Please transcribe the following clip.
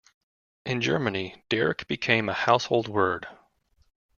In Germany, "Derrick" became a household word.